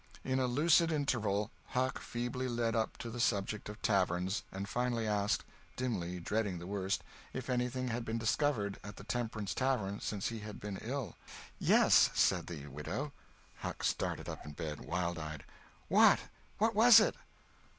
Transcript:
In a lucid interval, Huck feebly led up to the subject of taverns, and finally asked—dimly dreading the worst—if anything had been discovered at the Temperance Tavern since he had been ill. "Yes," said the widow. Huck started up in bed, wildeyed: "What? What was it?"